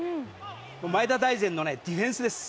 前田大然のディフェンスです。